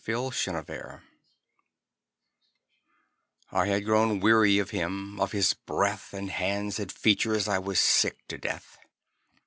THOU SHALT NOT KILL I had grown weary of him; of his breath And hands and features I was sick to death.